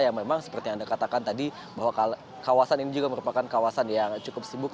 yang memang seperti yang anda katakan tadi bahwa kawasan ini juga merupakan kawasan yang cukup sibuk